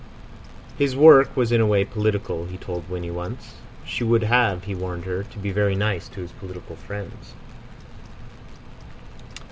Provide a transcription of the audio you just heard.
His work was in a way political, he told Winnie once. She would have, he warned her, to be very nice to his political friends.